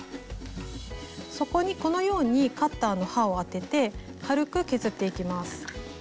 そこにこのようにカッターの刃を当てて軽く削っていきます。